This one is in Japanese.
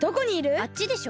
あっちでしょ。